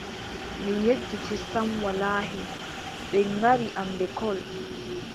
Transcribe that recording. Mi yedditi sam wallaahi, ɓe ngaddi am lekkol.